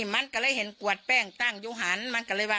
มันก็เลยเห็นกวดแป้งตั้งอยู่หันมันก็เลยว่า